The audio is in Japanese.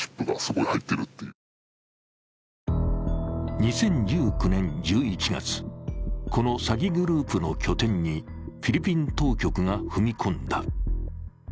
２０１９年１１月、この詐欺グループの拠点にフィリピン当局が踏み込んだ。